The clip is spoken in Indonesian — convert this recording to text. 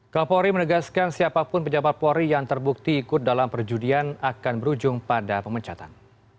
kepuari menegaskan siapapun penjabat puari yang terbukti ikut dalam perjudian akan berujung pada pemencatan